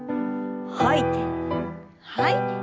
吐いて吐いて。